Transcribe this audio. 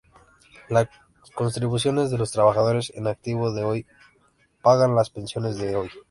Las contribuciones de los trabajadores en activo de hoy pagan las pensiones de hoy.